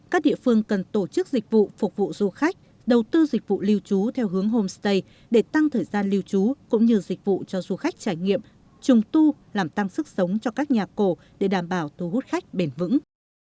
các địa phương cần tổ chức dịch vụ phục vụ du khách đầu tư dịch vụ lưu trú theo hướng homestay để tăng thời gian lưu trú cũng như dịch vụ cho du khách trải nghiệm trùng tu làm tăng sức sống cho các nhà cổ để đảm bảo thu hút khách bền vững